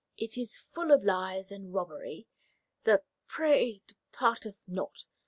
It is full of lies and robbery; the prey departeth not.